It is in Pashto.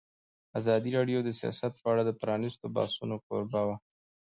ازادي راډیو د سیاست په اړه د پرانیستو بحثونو کوربه وه.